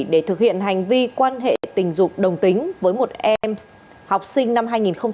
để thực hiện hành vi quan hệ tình dục đồng tính với một em học sinh năm hai nghìn bảy